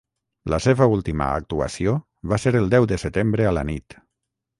La seva última actuació va ser el deu de setembre a la nit.